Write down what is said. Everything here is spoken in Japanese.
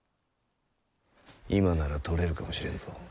今なら取れるかもしれんぞ。